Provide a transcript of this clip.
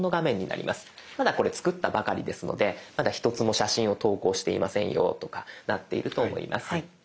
まだこれ作ったばかりですのでまだ１つも写真を投稿していませんよとかなっていると思います。